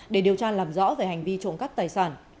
để điều tra làm rõ về hành vi trộn cắt tài sản